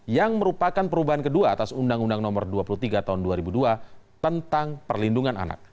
yang merupakan perubahan kedua atas undang undang nomor dua puluh tiga tahun dua ribu dua tentang perlindungan anak